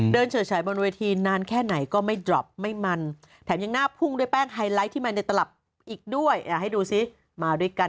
เฉิดฉายบนเวทีนานแค่ไหนก็ไม่ดรอปไม่มันแถมยังหน้าพุ่งด้วยแป้งไฮไลท์ที่มันในตลับอีกด้วยให้ดูสิมาด้วยกัน